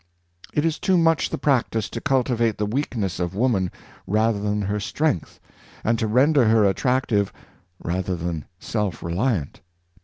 It is too much the practice to cultivate the weakness of woman rather than her strength, and to render her attractive rather than self reliant.